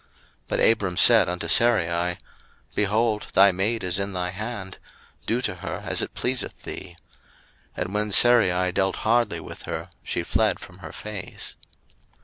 01:016:006 But Abram said unto Sarai, Behold, thy maid is in thine hand; do to her as it pleaseth thee. And when Sarai dealt hardly with her, she fled from her face.